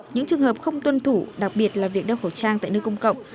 những trường hợp không tuân thủ đặc biệt là việc đeo khẩu trang tại nơi công cộng